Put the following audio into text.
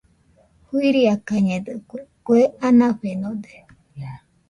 Fuiakañedɨkue, kue anafenode.